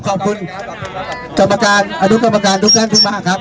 ขอบคุณจับประการอรุณกรรมการทุกท่านที่มาครับ